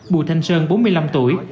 bù thanh sơn bốn mươi năm tuổi